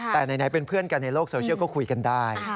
แต่ไหนเป็นเพื่อนกันในโลกโซเชียลก็คุยกันได้